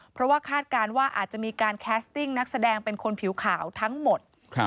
เพราะว่าคาดการณ์ว่าอาจจะมีการแคสติ้งนักแสดงเป็นคนผิวขาวทั้งหมด